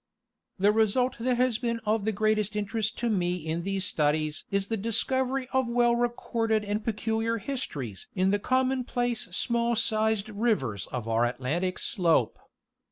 The result that has been of the greatest interest to me in these studies is the discovery of well recorded and peculiar histories in the commonplace small sized rivers of our Atlantic slope.